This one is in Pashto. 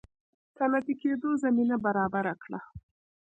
صنعتي کېدو زمینه برابره کړه.